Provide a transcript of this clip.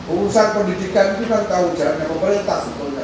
urusan pendidikan itu kan tanggung jawabnya pemerintah